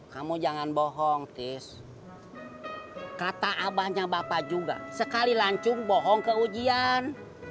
kamu jangan bohong tis kata abahnya bapak juga sekali lancung bohong ke ujian